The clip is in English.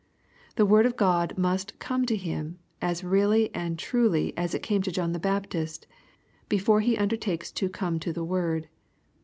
The word of God must "come to him," as really and truly as it came to John the Baptist, before he undertakes to " come to the word."